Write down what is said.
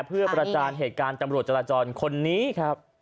เพื่อประจานเหตุการณ์ตำรวจจราจรคนนี้ครับ